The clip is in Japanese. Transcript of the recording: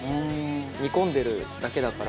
煮込んでるだけだから。